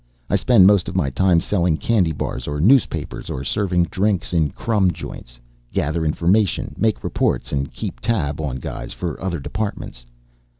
I spend most of my time selling candy bars or newspapers, or serving drinks in crumb joints. Gather information, make reports and keep tab on guys for other departments.